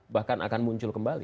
bahkan akan muncul kembali